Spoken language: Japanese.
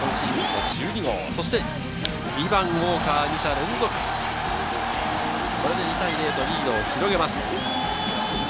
そして２番・ウォーカー、２者連続、２対０とリードを広げます。